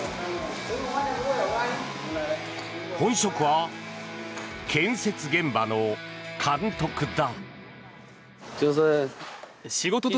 本職は建設現場の監督だ。